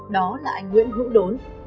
đó là anh nguyễn hữu đốn